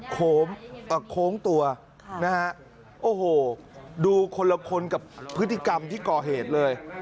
โค้งตัวนะฮะโอ้โหดูคนละคนกับพฤติกรรมที่ก่อเหตุเลย